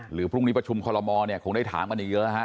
หรือพรุ่งนี้ประชุมคอลโมเนี่ยคงได้ถามกันอีกเยอะฮะ